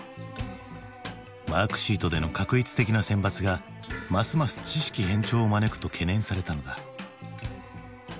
マークシートでの画一的な選抜がますます知識偏重を招くと懸念されたのだ。